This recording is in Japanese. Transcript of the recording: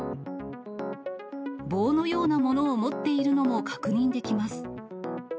棒のようなものを持っているのも確認できます。